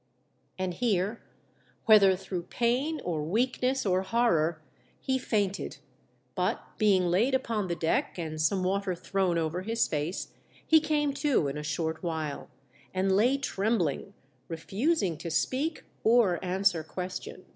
And here, whether through pain or weak ness or horror, he fainted, but beinp laid upon the deck, and some water thrown over his face, he came to in a short while, and lay trembling, refusing to speak or answer ques tions.